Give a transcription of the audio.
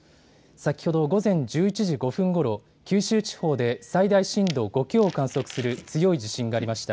先ほど午前１１時５分ごろ、九州地方で最大震度５強を観測する強い地震がありました。